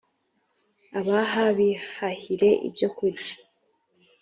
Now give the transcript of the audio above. abaha bihahire ibyokurya